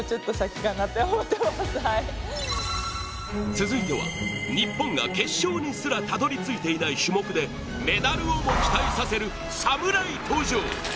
続いては、日本が決勝にすらたどり着いていない種目でメダルをも期待させる侍登場。